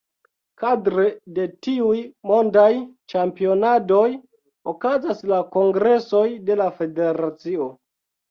Kadre de tiuj mondaj ĉampionadoj okazas la kongresoj de la federacio.